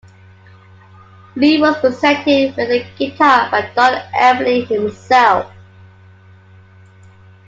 Lee was presented with the guitar by Don Everly himself.